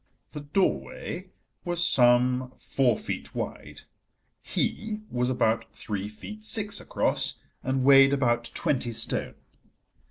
The doorway was some four feet wide: he was about three feet six across, and weighed about twenty stone.